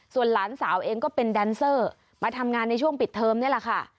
ส่วนหลานสาวเองก็เป็นแดนเซอร์มาทำงานในช่วงปิดเทอมนี่แหละค่ะ